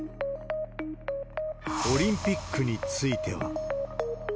オリンピックについては。